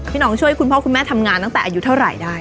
น้องช่วยคุณพ่อคุณแม่ทำงานตั้งแต่อายุเท่าไหร่ได้